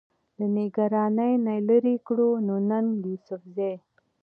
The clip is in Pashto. د نګرانۍ نه لرې کړو، نو ننګ يوسفزۍ